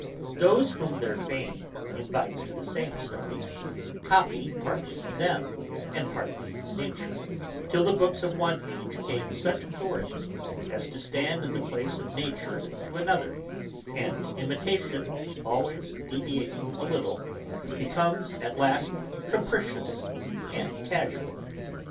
Those whom their fame invites to the same studies, copy partly them, and partly nature, till the books of one age gain such authority, as to stand in the place of nature to another, and imitation, always deviating a little, becomes at last capricious and casual.